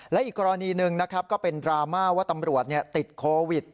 และอีกกรณีหนึ่งนะครับก็เป็นดราม่าว่าตำรวจติดโควิด